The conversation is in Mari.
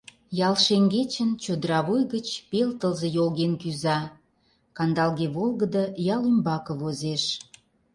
Ял шеҥгечын, чодыра вуй гыч, пел тылзе йолген кӱза, кандалге волгыдо ял ӱмбаке возеш...